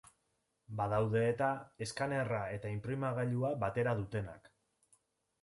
Badaude eta eskanerra eta inprimagailua batera dutenak.